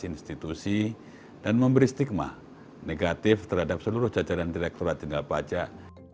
institusi dan memberi stigma negatif terhadap seluruh jajaran direkturat jenderal pajak